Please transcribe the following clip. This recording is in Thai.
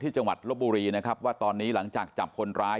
จังหวัดลบบุรีนะครับว่าตอนนี้หลังจากจับคนร้าย